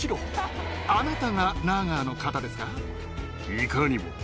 いかにも。